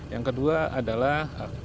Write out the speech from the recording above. yang kedua adalah